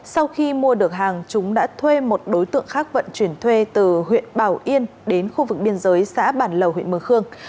sau khi mua được hàng chúng đã thuê một đối tượng khác vận chuyển thuê từ huyện bảo yên đến khu vực biên giới xã bản lầu huyện mường khương